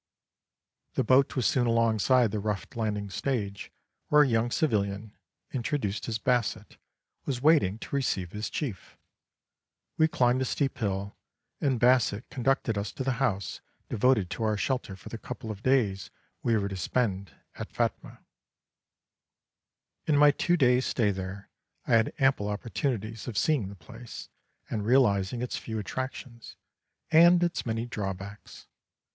The boat was soon alongside the rough landing stage, where a young civilian, introduced as Basset, was waiting to receive his chief. We climbed the steep hill, and Basset conducted us to the house devoted to our shelter for the couple of days we were to spend at Phatmah. In my two days' stay there, I had ample opportunities of seeing the place, and realising its few attractions and its many drawbacks.